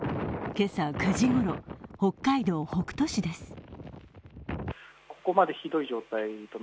今朝９時ごろ、北海道北斗市です。